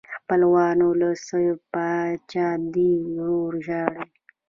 خپلوانو لا څه پاچا دې ورور ژاړي.